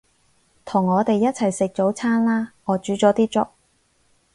同我哋一齊食早餐啦，我煮咗啲粥